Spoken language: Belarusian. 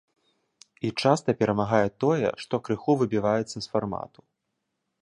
І часта перамагае тое, што крыху выбіваецца з фармату.